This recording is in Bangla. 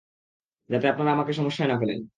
যাতে আপনারা আমাকে সমস্যায় না ফেলেন।